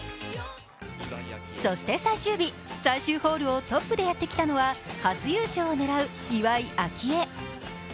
そして最終日、最終ホールをトップでやってきたのは初優勝を狙う岩井明愛。